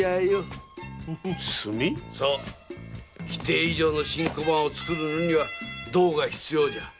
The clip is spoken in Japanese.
炭⁉規定以上の新小判をつくるのには銅が必要じゃ。